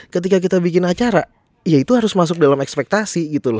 ketika kita bikin acara ya itu harus masuk dalam ekspektasi gitu loh